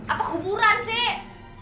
apa kuburan sih